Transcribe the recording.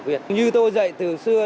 ví dụ tài cỗ